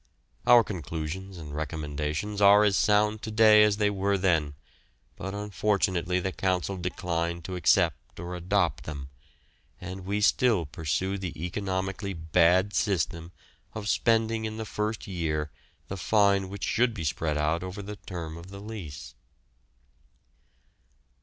Our conclusions and recommendations are as sound to day as they were then, but unfortunately the Council declined to accept or adopt them, and we still pursue the economically bad system of spending in the first year the fine which should be spread over the term of the lease.